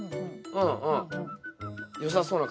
うんうん。